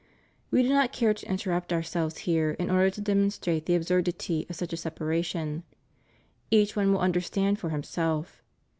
We do not care to interrupt Ourselves here in order to demonstrate the absurdity of such a separation; each one will understand for himself.